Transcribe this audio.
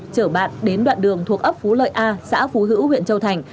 chở bạn đến đoạn đường thuộc ấp phú lợi a xã phú hữu huyện châu thành